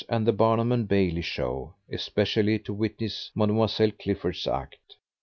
and the Barnum & Bailey Show especially to witness Mlle. Clifford's act.